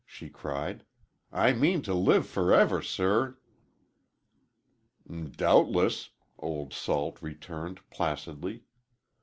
she cried. "I mean to live forever, sir!" "Doubtless," Old Salt returned, placidly.